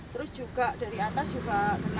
terus juga dari atas juga